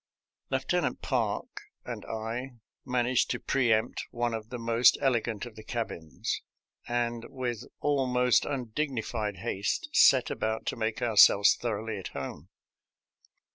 Lieutenant Park and I managed to pre empt one of the most elegant of the cabins, and with almost undignified haste set about to make our selves thoroughly at home.